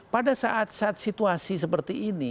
pada saat saat situasi seperti ini